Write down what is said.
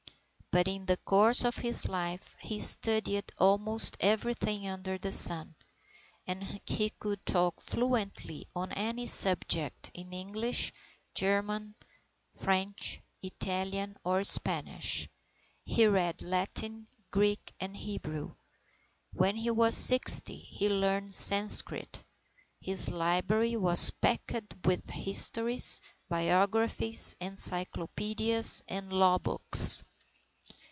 But in the course of his life he studied almost everything under the sun, and he could talk fluently on any subject in English, German, French, Italian or Spanish; he read Latin, Greek, and Hebrew. When he was sixty he learned Sanskrit. His library was packed with histories, biographies, encyclopædias, and law books.